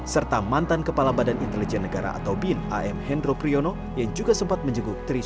serta mantan kepala badan intelijen negara atau bin am hendro priyono yang juga sempat menjenguk tri